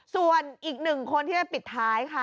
ส่วนอีกหนึ่งคนที่จะปิดท้ายค่ะ